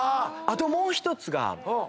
あともう１つが。